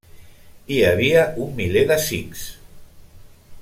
Hi havia un miler de sikhs.